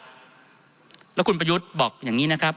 ท่านประธานครับนี่คือสิ่งที่สุดท้ายของท่านครับ